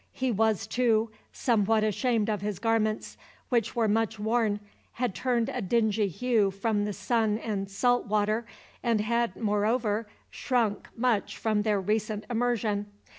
He was, too, somewhat ashamed of his garments; which were much worn, had turned a dingy hue from the sun and salt water, and had, moreover, shrunk much from their recent immersion.